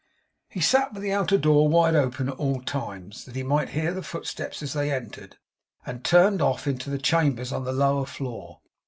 He sat with the outer door wide open, at all times, that he might hear the footsteps as they entered, and turned off into the chambers on the lower floor.